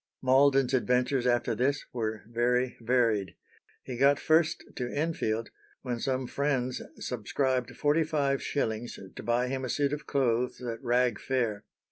Malden's adventures after this were very varied. He got first to Enfield, when some friends subscribed forty five shillings to buy him a suit of clothes at Rag Fair.